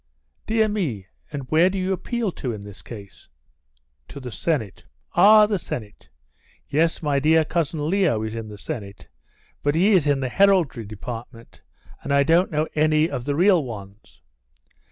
"Dear me, and where do you appeal to in this case?" "To the Senate." "Ah, the Senate! Yes, my dear Cousin Leo is in the Senate, but he is in the heraldry department, and I don't know any of the real ones.